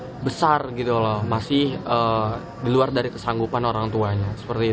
dia juga besar gitu loh masih di luar dari kesanggupan orang tuanya seperti itu mas